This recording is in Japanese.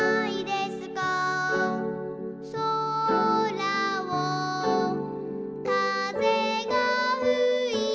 「そらをかぜがふいて」